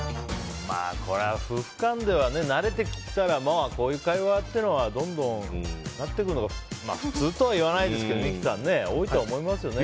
これは夫婦間では慣れてきたらこういう会話にどんどんなっていくのが普通とは言わないですけど多いとは思いますよね。